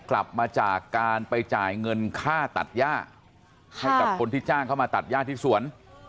กลับมาจากการไปจ่ายเงินค่าตัดย่าให้กับคนที่จ้างเข้ามาตัดย่าที่สวน